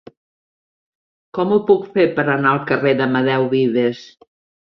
Com ho puc fer per anar al carrer d'Amadeu Vives?